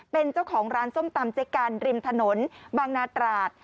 เป็นเจ้าของร้านส้มตำเจ๊กันริมถนนบางนาตราด